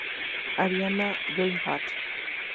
Ariana Greenblatt